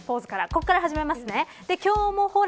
ここから始めます。